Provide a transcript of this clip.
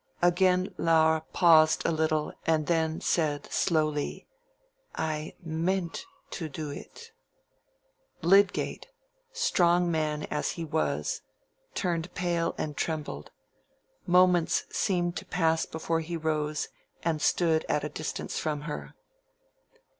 Again Laure paused a little and then said, slowly, "I meant to do it." Lydgate, strong man as he was, turned pale and trembled: moments seemed to pass before he rose and stood at a distance from her.